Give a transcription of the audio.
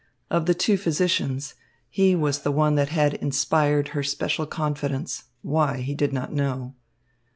Of the two physicians, he was the one that had inspired her special confidence, why, he did not know.